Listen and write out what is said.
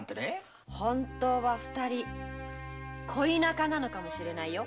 本当は二人恋仲なのかも知れないよ。